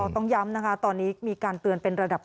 ต้องย้ำนะคะตอนนี้มีการเตือนเป็นระดับ